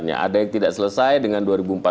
ada yang tidak selesai dengan dua ribu empat belas